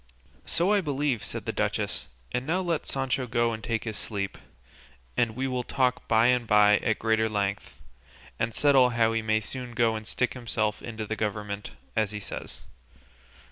"So I believe," said the duchess; "and now let Sancho go and take his sleep, and we will talk by and by at greater length, and settle how he may soon go and stick himself into the government, as he says."